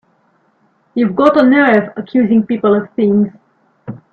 You've got a nerve accusing people of things!